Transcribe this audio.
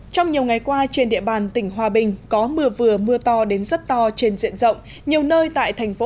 trên địa bàn tỉnh hòa bình có mưa vừa mưa to đến rất to trên diện rộng nhiều nơi tại thành phố